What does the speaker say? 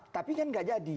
tapi kan enggak jadi